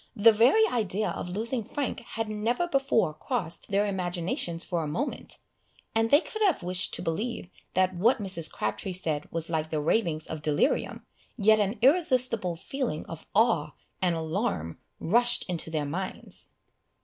The very idea of losing Frank had never before crossed their imaginations for a moment, and they could have wished to believe that what Mrs. Crabtree said was like the ravings of delirium, yet an irresistible feeling of awe and alarm rushed into their minds.